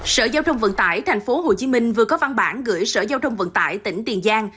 sở giao thông vận tải tp hcm vừa có văn bản gửi sở giao thông vận tải tỉnh tiền giang